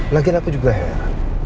lagian aku juga heran